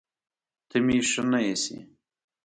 ته مې ښه نه ايسې